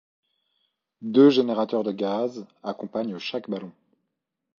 Deux générateurs de gaz accompagnent chaque ballon.